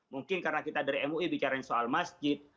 mungkin karena kita dari mui bicara soal masjid